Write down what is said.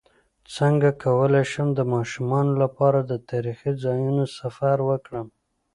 څنګه کولی شم د ماشومانو لپاره د تاریخي ځایونو سفر وکړم